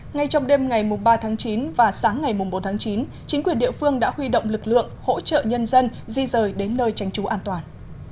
ngay trong đêm ngày ba tháng chín và sáng ngày bốn tháng chín chính quyền địa phương đã huy động lực lượng hỗ trợ nhân dân di rời đến nơi tránh trú an toàn